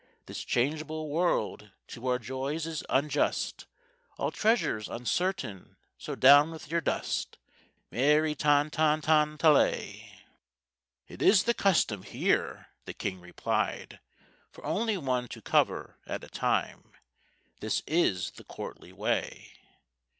This changeable world to our joys is unjust, All treasure's uncertain, so down with your dust, Merry ton ton ton ta lay!" "It is the custom here," the King replied, "For only one to cover at a time; This is the courtly way."